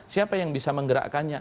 siapa yang bisa menggerakkannya